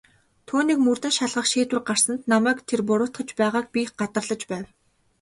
Түүнийг мөрдөн шалгах шийдвэр гаргасанд намайг тэр буруутгаж байгааг би гадарлаж байв.